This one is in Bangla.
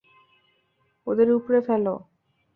ওদের উপড়ে ফেল!